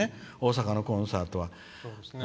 大坂のコンサートは。